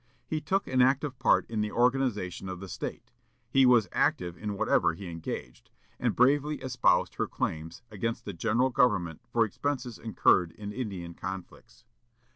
He took an active part in the organization of the State he was active in whatever he engaged and bravely espoused her claims against the general government for expenses incurred in Indian conflicts.